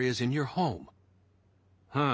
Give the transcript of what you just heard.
はあ。